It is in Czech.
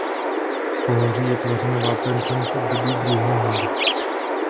Pohoří je tvořeno vápencem z období druhohor.